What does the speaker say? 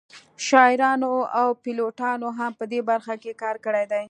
شاعرانو او پیلوټانو هم په دې برخه کې کار کړی دی